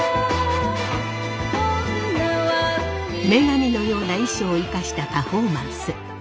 女神のような衣装を生かしたパフォーマンス。